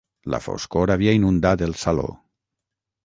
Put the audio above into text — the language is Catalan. La foscor havia inundat el saló.